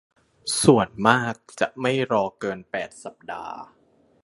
ส่วนมากจะไม่รอเกิน แปด สัปดาห์